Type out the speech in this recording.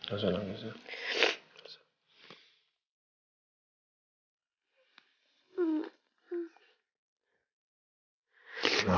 aku stres mengkirin kamu